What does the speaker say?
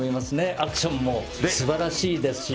アクションもすばらしいですし。